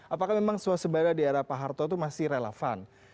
apakah memang suasebaya di era pak harto itu masih relevan